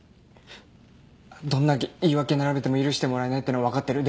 どんだけ言い訳並べても許してもらえないっていうのは分かってる。